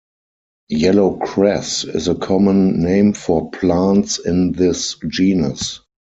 Yellowcress is a common name for plants in this genus.